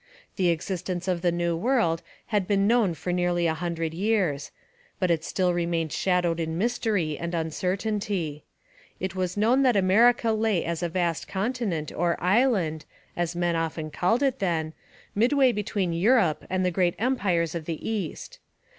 The existence of the New World had been known for nearly a hundred years. But it still remained shadowed in mystery and uncertainty. It was known that America lay as a vast continent, or island, as men often called it then, midway between Europe and the great empires of the East.